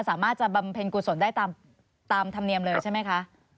สามารถจะบำเพ็ญกุศลได้ตามธรรมเนียมเลยใช่ไหมคะ